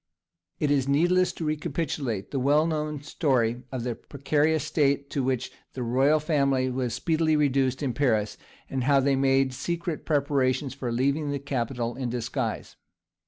It is needless to recapitulate the well known story of the precarious state to which the royal family were speedily reduced in Paris, and how they made secret preparations for leaving the capital in disguise.